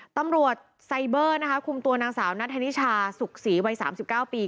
ตำรวจไซเบอร์นะคะคุมตัวนางสาวนัทธนิชาสุขศรีวัย๓๙ปี